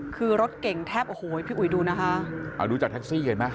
คือรถเก่งแทบโอ้โหพี่อุ๋ยดูนะคะเอาดูจากแท็กซี่เห็นไหม